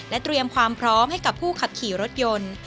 เตรียมความพร้อมให้กับผู้ขับขี่รถยนต์